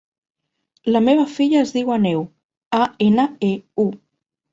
La meva filla es diu Aneu: a, ena, e, u.